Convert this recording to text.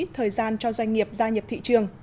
thời gian cho doanh nghiệp gia nhập thị trường